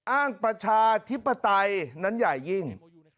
ประชาธิปไตยนั้นใหญ่ยิ่ง